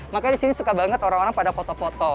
makanya disini suka banget orang orang pada foto foto